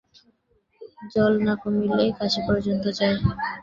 জল না কমিলে কাশী পর্যন্ত যায়।